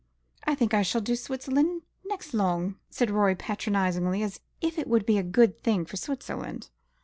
"I think I shall do Switzerland next long," said Rorie patronisingly, as if it would be a good thing for Switzerland.